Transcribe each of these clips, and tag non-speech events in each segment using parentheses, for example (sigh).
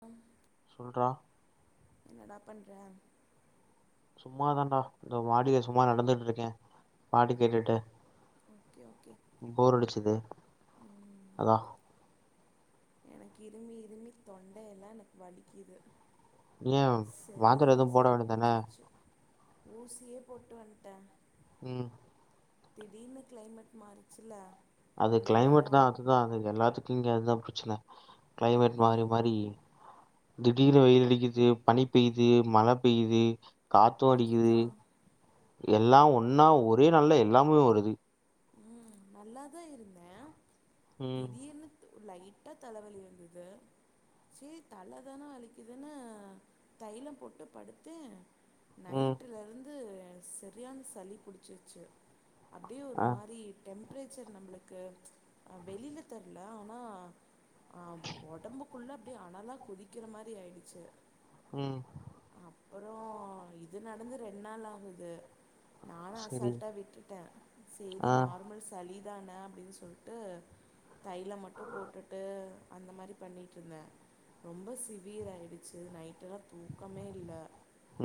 ஆ சொல்றா என்னடா பண்ற சும்மாதான்டா இந்த மாடிய சும்மா நடந்துட்டு இருக்கே பாட்டு ம் கேட்டுட்டு ஓகே ஓகே போர் அடிச்சது ம் அத எனக்கு இரும்பி இரும்பி தொண்டைல்லா எனக்கு வலிக்குதுங்க ஏ மாத்திர எதுவு போட வேண்டியதானே பிடிச்சிருச்சு ஊசியே போட்டு வந்த ம் திடீர்னு கிளைமேட் மாறிச்சுல அது இவ்வளோ கிளைமேட் தா நேரம் அதுதா அது எல்லாத்துக்கு ங்க அதா பிரச்சன ம் கிளைமேட் ம் மாறி மாறி திடீர் வெயில் அடிக்குது பனி பெய்யுது மழ பெய்யுது காத்தும் அடிக்குது அதுதான் எல்லா ஒன்னா ஒரே நாள்லா எல்லாமே வருது ம் நல்லாதா இருந்தே ம் திடிர்னு லைட்டா தலவலி இருந்துது சீ தல தானே வலிக்குதுன்னு தைலம் போட்டு படுத்து ம் நைட்ல இருந்து சரியான சளி புடிச்சிருச்சு அப்டியே ஒரு ஆ மாரி டெம்ரேச்சர் நம்மளுக்கு வெளியல தெரில ஆனா அ உடம்புக்குள்ள அப்டிய அனலா கொதிக்கிற மாரி ஆயிடுச்சு ம் ஓ இது நடந்து ரெண் நாள் ஆகுது நா சரி அசால்ட்டா விட்டுட்டே செரி ஆ நார்மல் சளி இதன அப்டின் சொல்ட்டு தய்ல மட்டு போட்டுட்டு அந்த மாரி பண்ணிட்டுருந்தே ரொம்ப சிவியர ஆயிடுச்சு நைட் தூக்கமே இல்ல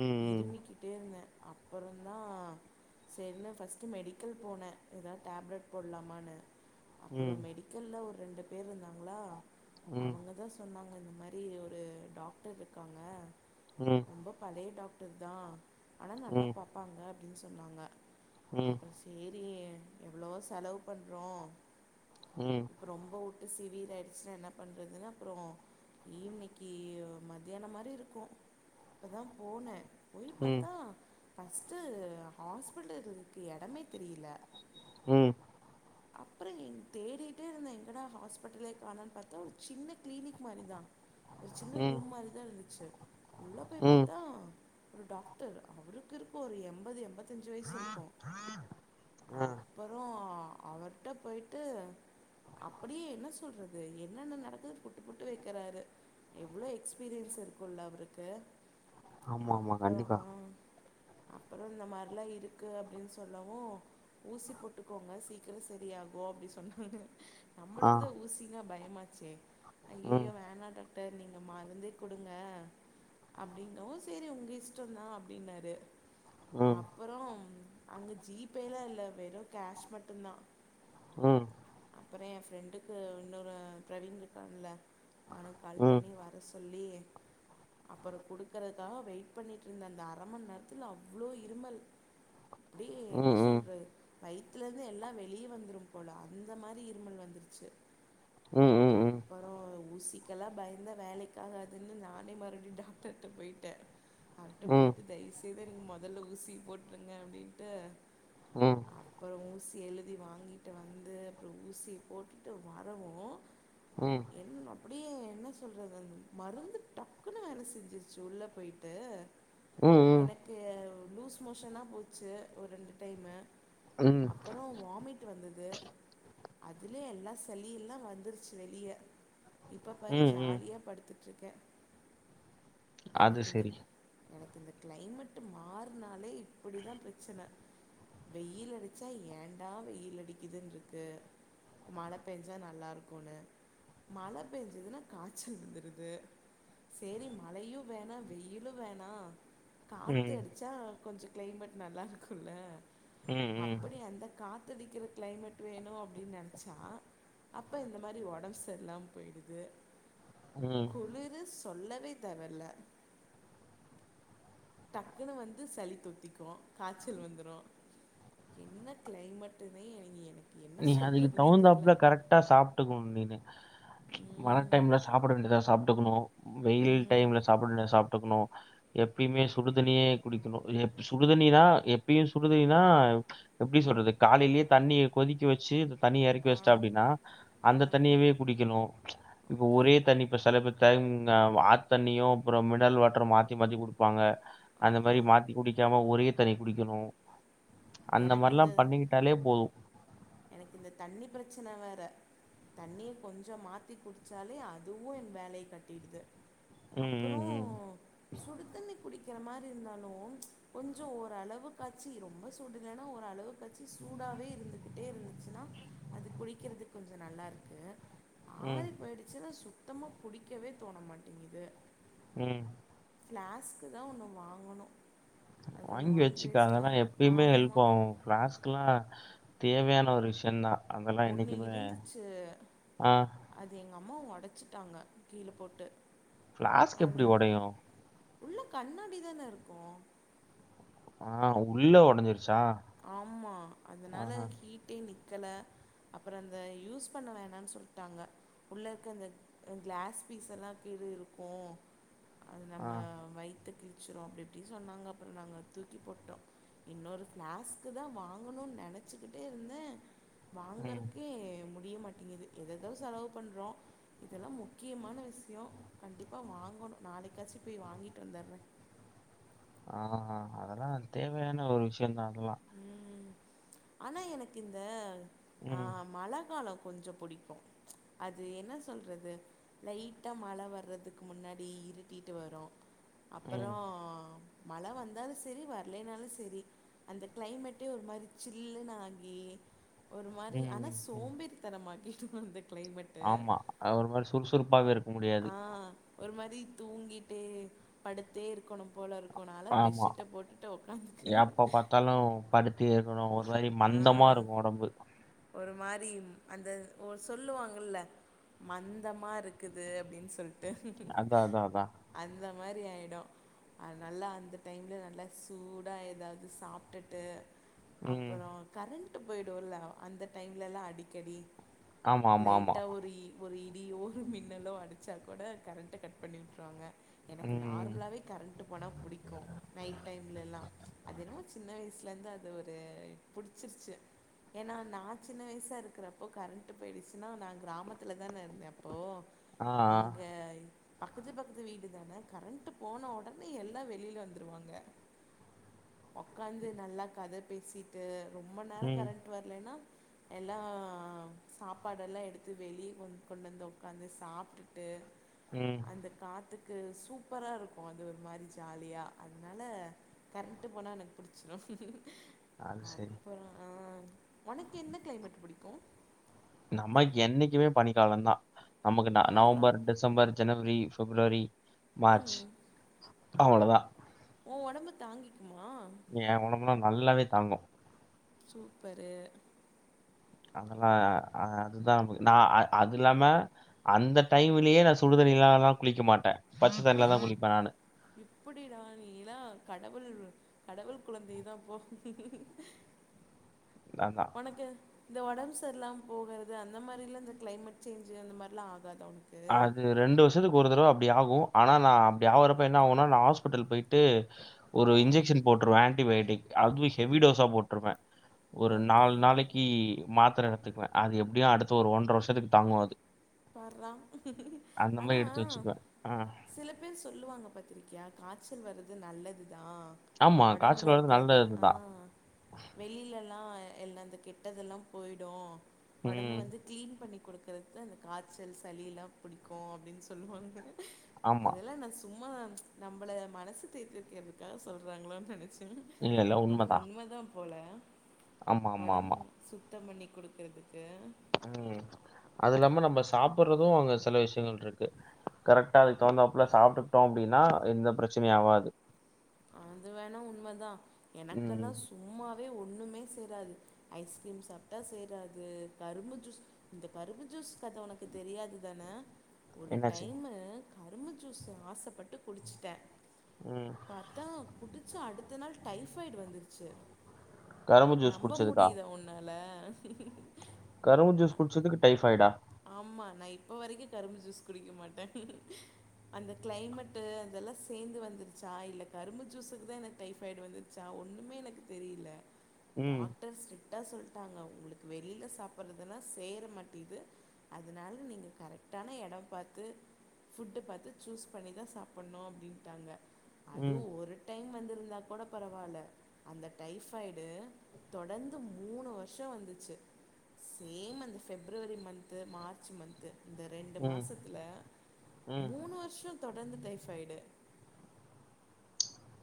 ம் இரும்பிட்டே இருந்தே அப்புறந்தா சரினு ஃபஸ்ட்டு மெடிக்கல் போனே இதுதா டேப்லெட் போடலாமான்னு அப்பறோ ம் மெடிக்கல்ல ஒரு ரெண்டு பேருந்தாங் ங்களா ம் அவங்க தா சொன்னாங்க ஆ இந்த மாரி ஒரு டாக்டர் இருக்காங்க ம் ரொம்ப பழைய டாக் டர்தா ஆனா ம் நல்லா ம் பாப்பாங்க அப்டின்னு சொன்னாங்க ம் அப்பறோ செரி எவ்ளோ செலவு பண்றோ ம் இப்ப ரொம்ப உ சிவியர் ஆயிடுச்சுனா என்ன பண்ணுறதுனு அப்பறோ ஈவனிக்கி மத்தியானோ மாரி இருக்கோ அப்ப தா போனே போய் பாத்தா ஃபஸ்ட்டு ஹாஸ்பிட்டல் இருக்கு எடமே தெரில உ அப்பற எங் தேடிட்டே இருந்தே எங்கடா ஹாஸ்பிட்டலே காணுன்னு பாத்தா ஒரு சின்ன க்ளீனிக் மாரி தா ஒரு சின்ன ம் ரூம் மாரிதா இருந்துச்சு உள்ள போய் ம் பாத்தா ஒரு டாக்டர் அவருக்கு இருக்கோ ஒரு எண்பது எண்பத் தஞ்சு வயசு இருக்கோ ஆ அப்பறோ அவர்ட்ட போயிட்டு அப்டியே என்ன சொல்றது என்னென்ன நடக்குது புட்டு புட்டு வைக்கிறாரு எவ்ளோ எக்ஸ்பீரியன்ஸ் இருக்கும்ல அவருக்கு ஆமாமா கண்டிப்பா ஆ அப்பறோ இந்த மாரிலா இருக்கு அப்டின்னு சொல்லவு ஊசி போட்டுக்கோங்க சீக் க்கிர செரியாகோ அப்டி சொன்னாங்க ஆ நம்மளுக்கு தா ஊசினா பய மாச்சே ம் ஐயையோ வேனாடாக் டர் நீங்க மருந்தே கொடுங்க அப்டின்னவு செரி உங்க இஷ்டந்தா அப்டின்னாரு ம் அப்பறோ அங்க ஜீ பேலா இல்ல வெறு கேஷ் மட் டுந்தா உ அப்பறோ எ ஃப்ரெண்டுக்கு இன்னொரு பிரவீன் இருக்கான்ல அவனுக் கால் ம் பண்ணி வர சொல்லி அப்பற குடுக்கறதுக்காக வெயிட் பண்ணிட்ருந்த அந்த அரமண் நேரத்துல அவ்ளோ இருமல் அப்டியே என்ன ம் ம் சொல்றது வயித்துல ந்து எல்லா வெளிய வந்துரு போல அந்த மாரி இருமல் வந்துருச்சு ம் ம் அப்பறோ ஊசி க்கெல்லா பயந்தா வேலைக்காகதுன்னு நானே மறுப்டியு டாக்டர்ட்ட போயிட்டே அவர்ட்ட ம் போயிட்டு தயவு செய்து மொதல்ல ஊசி போட்ருங்க அப்டின்ட்டு ம் அப்பறோ ஊ சி எழுதி வாங்கிட்டு வந்து அப்றோ ஊசிய போட்டுட்டு வரவு ம் ம் என் அ ப்புடியே என்ன சொல்றது அந்த மருந்து டக்குன்னு வேல செஞ்சுருச்சு உள்ள போயிட்டு ம் எனக்கு லூஸ் மோஷனா போச்சு ஒர் ரெண்டு டைமு ம் ம் அப்பறோ வாமிட் வந்தது அதுலே எல்லா சளி எல்லா வந்துருச்சு வெளிய இப்ப பாரு ம் ம் ஜாலியா படுத்து ட்ருக்கே அது செரி எனக்கிந்த கிளைமெட்டு மாறுனாலே இப்புடிதா பிரச்சன வெயில் அடி ச்சா ஏண்டா வெயில் அடிக்குதுன்ருக்கு மழ பெஞ்சா நல்லாருக்கூனு மழ பேஞ்சதுன்னா காச்சல் வந்துருது செரி மழையு வேணா வெயிலு வேணா காத்து ம் அடுச்சா கொஞ்ச கிளைமெட் நல்லாருக்குல்ல ம் ம் தடிக்கிற கிளைமேட் வேணு அப்டின் நெனச்சா அப்ப இந்த மாரி ஒடம் சரில்லாம் போயிடுது ம் குளிரு சொல்ல வே தேவல்ல டக்குனு வந்து சளி தொத்திக்கு காச்சல் வந்துரு என்ன கிளைமட்டுமே எங் எனக் நீ அதுக்கு தகுந்தாப்புல கரெக்டா சாப்ட்டுக்கணு நீனு மழை ம் டைம்ல சாப்பிட வேண்டியதா சாப்ட்டுக்கணு வெயில் ம் டைம்ல சாப்பிட வோண்டியது சாப்ட்டுக்கணு எப்பயுமே சுடுதண்ணியே குடிக்கணு சுடுதண்ணிதா எப்பயு சுடுதண்ணிதா எப்டி சொல்றது காலைலே தண்ணி கொதிக்க வச்சு தண்ணிய எறக்கி வச்சுட்ட ஆம் அப்டினா ஆ அந்த தண்ணியவே குடிக்கணு இப்ப ஓகே ஒரே தண்ணிப்ப செலபேத்து டைம் ஆத்தண்ணியு அப்பறோ மினரல் வாட்டர் மாத்தி மாத்தி குடிப்பாங்க ஆ அந்த ஆ மாரி மாத்தி குடிக்காம ஒரே தண்ணி குடிக்கணு அந்த எனக்கு மாரிலா இந்த பண்ணிக்கிட்டாலே போது எனக்கு இந்த தண்ணி பிரச்சன வேற தண்ணிய கொஞ்சோ மாத்தி குடிச்சாலே அதுவு எ வேலய காட்டிருது ம், அப்பறோ ம், ம். சுடு தண்ணி குடிக்கிற மாரி ட்டு இருந்தாலு ச் கொஞ்சோ ஓரளவு காச்சி ரொம்ப சூடில்லேனா ஒரு அளவுக்காச்சி சூடாவே இருந்துகிட்டு ட்டே இருந்துச்சுன்னா அது குடிக்கிறது கொஞ்சோ நல்லா இருக்கு ம், ஆறி போய்டுச்சுன்னா சு சுத்தமா குடிக்கவே தோண மாட்டேங்கிது உ ஃப்ளாஸ்க்கு தா ஒன்னு வாங்கணு அது ஒன்னு வாங்கி வச்சுக்க வச்சுட்டா அதெல்லா எப்பயுமே ஆமா ஹெல்ப்பாவு ஃபளாஸ்க்குலா தேவையான ஒரு விஷயந்தா ஒண்ணு இருந்துச்சு ஆ அது எங்க கம்மா ஒடச்சிட்டாங்க கீழ போட்டு ஃப்ளாஸ்க் எப்டி அதனா ஒடையு உள்ள கண்ணாடி தான இருக்கு ஆ உள்ள ஒடஞ்சிருச்சு ஆமா அதனால ஹீட்டே நிக் க்கல அப்பறோ இந்த யூஸ் பண்ண வேணாணு சொல்லிட்டாங்க உள்ள இருக்க அந்த கிளாஸ் பீஸ் எல்லா கீழருக்கு அது ஆ, நம்ம வய் கிழச்சிரு அப்டி இப்டின்னு சொன்னாங்க அப்புறோ நாங்க தூக்கி போட்டோ இன்னொரு ஃபிளாஸ்கு தா வாங்கணோணு நெனச்சிக்கிட்டே இருந்தே ம். வாங்கர்த்துகே முடிய மாட்ட எது எதேதோ செலவு பண்றோ இதெல்லா முக்கியமான விஷயோ கண்டிப்பா வாங்கணு நாளைக்காச்சு போய் வாங்கிட்டு வந்துடுறே ஆமா அதெல்லா தேவையான ஒரு விஷயந்தா வ ம் ஆனா எனக்கு இந்த ஆ ம், மழ காலோ கொஞ்சோ புடிக்கு அது என்ன சொல்றது லைட்டா மழ வர்றதுக்கு முன்னாடி இருட்டிட்டு வரு அப்பறோ ம், மழ வந்தாலு செரி வர் இல்லினாலும செரி அந்த கிளைமேட்டே ஒரு மாரி சில்லுனாகி ஒரு மாரி ஆனா ம், ம். சோம்பேறிதனமா வீட்டுக்கு வந்த ஆமா அது ஒரு மாரி சுறுசுறுப்பாகவே இருக் ஆ ஒரு மாரி தூங்கிட்டே படுத்தே இருக்கணும் போல இருக்குனால ஆமா. பெட்ஷீட்ட போட்டுட்டு உக்காந்துட்டே எப்ப பார்த்தாலும் (unintelligible) ஒரு மாரி மந்தமா இருக்கு ஒடம்பு ஒரு மாரி அந்த ஒரு சொல்லுவாங்கள்ல மந்தமா இருக்குது அப்டின் சொல்ட் டே அதான், அதான், அதான். அதா இந்த மாரி ஆயிடு அது நல்லா அந்த டைம்ல நல்லா சூடா ஏதாவது சாப்டுட்டு ம் அப்பறோ கரண்ட் விட்டு போயிடுல அந்த டைம்ல எல்லா அடிக்கடி ஆமா, ஆமா, ஆமா. லைட்டா ஒரு ஒரு இடியோ ஒரு மின்னலோ அடிச்சாக் கூட கரண்ட்ட கட் பண்ணி விட்ருவாங்க எனக்கு ம். நார்மலாவே கரண்ட்டு போனா புடிக்கு நைட்டைம்ல எல்லா அதுஎன்மோ சின்ன வயிஸ் இதுலருந்து அது ஒரு புடுச்சுருச்சு ஏன்னா நா சின்ன வயிசா இருக்குறப்போ கரண்ட் போயிடுச்சுன்னா நா கிராமத்துல தான இருந்த அப்போ ஆ, ஆ. இங்க பக்கத்து பக்கத்து வீடு தான கரண்ட்டு போன ஒடனே எல்லா வெளியில வந்துருவாங்க ஒக்காந்து நல்லா கத பேசி ட்டு ரொம்ப நேரோ ம், கரண்ட் வரலேன்னா எல்லா சாப்பாடெல்லா எடுத்து வெளிய கொ கொண்டு வந்து ஒக்காந்து சாப்டுட்டு ம். அந்த காத்து என சூப்பராருக்கும் அதுஒரு மாரி ஜாலியா அதனால கரண்ட்டு போனா எனக்கு பிடிச்சிறும் அது செரி உனக்கு என்ன கிளைமேட் புடிக்கு நம்ம என்னைக்குமே பணி காலந்தா நமக்கு ந பார்றா நவம்பர் டிசம்பர் ஜனவரி பிப்ரவரி மார்ச் ம் அவ்ளோ தா ஓ உடம்பு தாங்கிக் என் உடம்பெல்லா நல்லாவே தாங்கும் சூப்பரு அதெல்லா அ அது தா நா அது இல்லாம அந்த டைம்லயே நா சுடுதண்ணி (unintelligible) குளிக்க மாட்டேன் பச்சத்தண்ணில தா குளிப்பன் நானு எப்டிடா நீலாம் கடவுள் கடவுள் குழந்தை தா போ அதான். உனக்கு இந்த ஒடம்பு சரில்லாம போகுறது அந்த மாரில இந்த கிளைமேட் சேன்ஜ் அந்த மாரிலா ஆகாது அது ரெண்டு வருஷத்துக்கு ஒரு தடவ அப்டி ஆகும் ஆனா நா அப்டி அவுரப்ப என்ன ஆகுனா நா ஹாஸ்பிட்டல் போயிட்டு ஒரு ஆ இன்ஜெக்ஷன் போட்டுருவன் ஆன்டிபயாட்டிக் அதுவும் ஹெவி டோஸ் அ போட்டுருவேன் (unintelligible) ஒரு ஓகே நாலு நாளைக்கி மாத்திர எடத்துக்குங்க அது எப்டியும் அடுத்த ஒரு ஒன்ற வருஷத்துக்கு தாங்கும் அது பார்ரா அந்த ஆனா மாரி எடுத்து வச்சுக்குவேன். ஆ. சில பேர் சொல்லுவாங்க பாத்திருக்கியா காய்ச்சல் வர்ரது நல்லது அ ஆமா. காய்ச்சல் ஒடம்புல வர்றது இருக்குறத நல்லது ஆ தான். வெளிலல்லா எல்லா கெட்டது எல்லா போய்டும் ஒடம்பு ம். வந்து கிளீன் பண்ணி குடுக் இருக்கிறதுதானே காச்சல் சலியில்லா புடிக்கு அப்டின் சொல்லுவாங்க ஆமா. அதெல்லா நா சும் மா நம்பள மனசு தேத்திருக்குறதுக்காக சொல்றாங்களோன் நெனச்சு இல்ல இல்ல உண்மதா போல ஒடம்பு சுத்தம் பண்ணி குடுக்குறது இல்ல சாப்புறது அங்க சில விஷ்யங்கள் இருக்கு கரெக்டா அதுக்கு தகுந்தாப்புல சாப்டுட்டோ அப்டின்னா எந்த பிரச்சனையு ஆவாது அது வேணா உண்மதா ம். எனக்கெல்லா சும்மாவே ஒன் னுமே சேராது ஐஸ்கிரீம் சாப்டா சேராது கரும்பு ஜூஸ் இந்த கரும்பு ஜூஸ் கத உனக்கு தெரியாதுதான ஒரு என்னாச்சு? டைமு கரும்பு ஜூஸ் ஆசப்பட்டு குடுச்சுட்ட ம் பாத்தா குடுச்ச அடுத்த நாள் டைஃபாய்டு வந்துடுச்சு கரும்பு ஜூஸ் நம்ப குடிச்சதுக்கா? முடியுதா உன்னால ஹா ஹி ஹி ஹு கரும்பு ஜூஸ் குடுச்சதுக்கு டைஃபாயிடா ஆமா நா இப்ப வரைக்கு கரும்பு ஜூஸ் குடிக்க மாட்ட அந்த கிளைமேட்டு அதெல்லா சேந்து வந்துருச்சா இல்ல கரும்பு ஜூஸுக்குதா எனக்கு டைஃபாய்டு வந்துருச்சா ஒண்ணுமே எனக்கு தெரியில ம். டாக்டர்ஸ் கரெக்டா சொல்டாங்க உங்களுக்கு வெளியில சாப்புறதுல்லா சேர மாட்டிகுது அதனால நீங்க கரெக்டான எடோம் பாத்து ஃபுட்டு பாத்து சூஸ் பண்ணிதா சாப்புன்னு அப்டின்டாங்க அது ம். ஒரு டைம் வந் இருந்தா கூட பரவால்ல அந்த டைஃபாய்டு தொடர்ந்து மூணு வருஷோ வந்துச்சு சேம் அந்த பெஃப்ரவரி மந்த் து மார்ச் மந்த்து இந்த ரெண்டு ம். மாசத்துல ம். மூணு வருஷோ தொடர்ந்து டைஃபாய்டு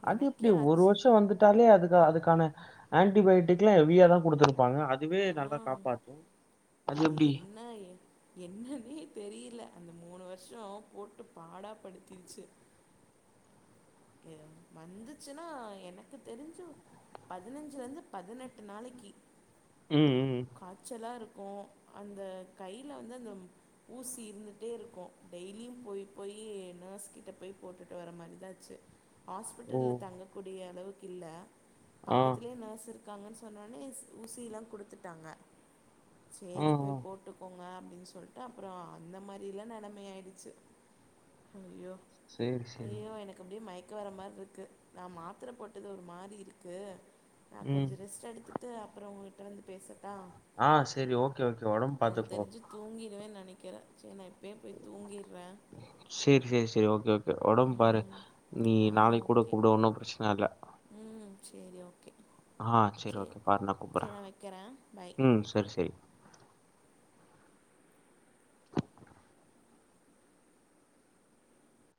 அது எப்டி எனக்கே ஒரு ஆச்சு வருஷோ வந்துட்டாலே அதுக்கு அது க்கான ஆன்டிபயேட்டிக்லா ஹெவியாதா குடுத்துருப்பாங்க அதுவே நல்லா ஆ காப்பாத்து அது என்ன என்னன்னே தெரியில அந்த மூணு வருஷோ போட்டு பாடா படுத்திருச்சு கே வந்துச்சுன்னா எனக்கு தெரிஞ்சு பதினஞ்சுல இருந்து பதினெட்டு நாளைக்கு ம். ம். காச்சலா இருக் இருக்கு அந்த கையில வந்து அந்த ஊசி இருந்துட்டே இருக்கு டெய்லியும் போயி போயி நர்ஸ்கிட்ட போயி போட்டுட்டு வர மாரிதா ஆச்சு ஓ! ஹாஸ்பிட்டல்ல தங்கக்கூடிய அளவுக் இல்ல ஆ பக்கத்திலயே நர்ஸ் இருக்காங்கன்ஸ் சொன்னோனே ஊசி எல்லாம் குடுத்துட் டாங்க ஆ சேரி ஆ போய் போட்டுக்கோங்க அப்டின் சொல்ட்டு அப்புறோ அந்த மாரிலா நெலமை ஆயிடுச்சு ஐயோ சேரி சேரி ஐயையோ எனக்கு அப்டியே மயிக் மயக்க வர மாரி இருக்கு நா மாத்துர போட்டது ஒரு மாரி இருக்கு நா ம் கொஞ்ச ரெஸ்ட் எடுத்துட்டு அப்புறோ உங்ககிட்ட வந்து பேசுற ஆ சேரி ஓகே ஓகே ஒடம்பு பாத்துக்கோ வேன் நெனைக்கிற சேர் நா இப் சேரி சேரி சேரி ஓகே ஓக் ஒடம்பு பாரு ம், நீ ஆ நாளைக் கூட ஓகே கூப்டு ஒன்னு பிரச்சன இல்ல ம் சேரி ஓகே ஆ செர் சரி ஓகே பாரு நா கூப்புற்ற சரி நான் வைக்கிறேன் பை ம் செரி செரி